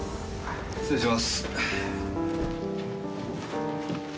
失礼します。